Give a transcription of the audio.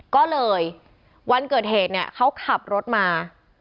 ก็เลยวันเกิดเหตุเนี่ยเขาขับรถมา